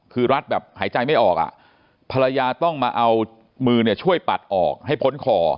คือรัดแบบหายใจไม่ออกอ่ะภรรยาต้องมาเอามือเนี่ยช่วยปัดออกให้พ้นคอ